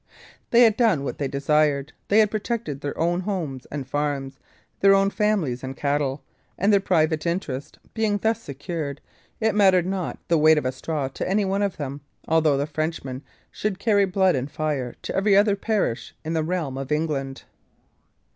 They had done what they desired; they had protected their own homes and farms, their own families and cattle; and their private interest being thus secured, it mattered not the weight of a straw to any one of them, although the Frenchmen should carry blood and fire to every other parish in the realm of England.